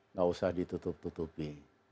nggak usah ditutup tutupi